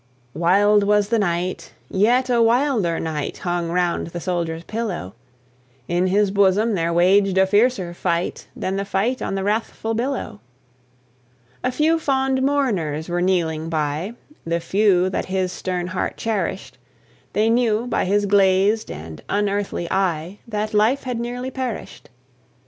Wild was the night, yet a wilder night Hung round the soldier's pillow; In his bosom there waged a fiercer fight Than the fight on the wrathful billow. A few fond mourners were kneeling by, The few that his stern heart cherished; They knew, by his glazed and unearthly eye, That life had nearly perished.